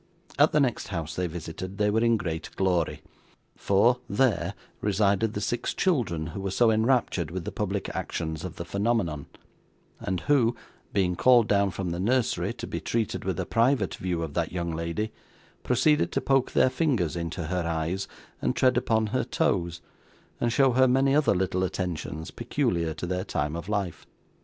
At the next house they visited, they were in great glory; for, there, resided the six children who were so enraptured with the public actions of the phenomenon, and who, being called down from the nursery to be treated with a private view of that young lady, proceeded to poke their fingers into her eyes, and tread upon her toes, and show her many other little attentions peculiar to their time of life.